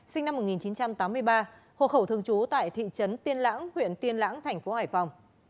sinh năm một nghìn chín trăm tám mươi ba hộ khẩu thường trú tại thị trấn tiên lãng huyện tiên lãng thành phố hải phòng